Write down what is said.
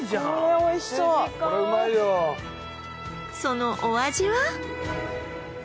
これそのお味は？